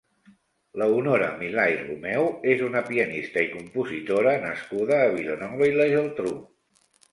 Leonora Milà i Romeu és una pianista i compositora nascuda a Vilanova i la Geltrú.